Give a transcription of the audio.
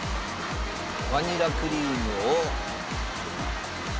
「バニラクリームを」